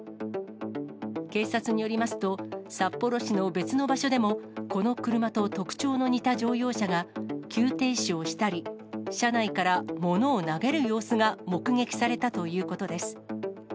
警察によりますと、札幌市の別の場所でも、この車と特徴の似た乗用車が急停止をしたり、車内から物を投げる様子が目撃されたということです。